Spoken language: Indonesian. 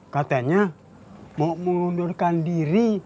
katanya mau melundurkan diri